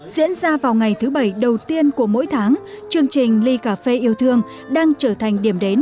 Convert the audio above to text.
diễn ra vào ngày thứ bảy đầu tiên của mỗi tháng chương trình ly cà phê yêu thương đang trở thành điểm đến